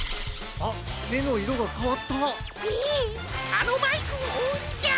あのバイクをおうんじゃ！